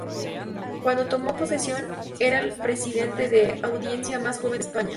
Cuando tomó posesión era el presidente de Audiencia más joven de España.